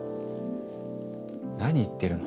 何言ってるの？